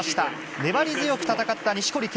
粘り強く戦った錦織圭。